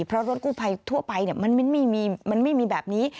เพราะรถกู้ภัยทั่วไปมันไม่มีแบบนี้